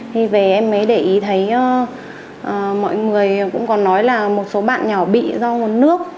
thì về em mới để ý thấy mọi người cũng còn nói là một số bạn nhỏ bị do nguồn nước